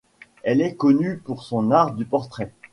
Elle est connue pour son art du portrait.